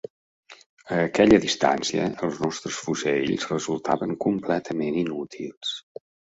A aquella distància, els nostres fusells resultaven completament inútils.